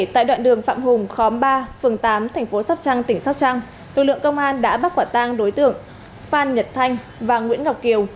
tại đoạn đường phạm hùng khóm ba phường tám thành phố sóc trăng tỉnh sóc trăng lực lượng công an đã bắt quả tang đối tượng phan nhật thanh và nguyễn ngọc kiều